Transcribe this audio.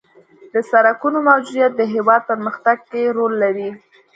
د سرکونو موجودیت د هېواد په پرمختګ کې رول لري